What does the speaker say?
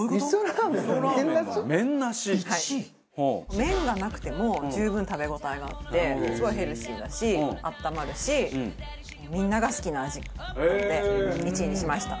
麺がなくても十分食べ応えがあってすごいヘルシーだし温まるしみんなが好きな味なので１位にしました。